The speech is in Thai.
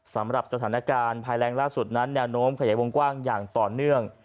สำหรับสถานการณ์ภายแรงล่าสุดนั้นแนวโน้มขยายวงกว้างอย่างต่อเนื่อง